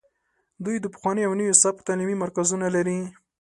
دوی د پخواني او نوي سبک تعلیمي مرکزونه لري